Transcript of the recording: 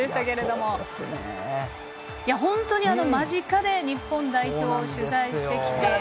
間近で日本代表を取材してきて。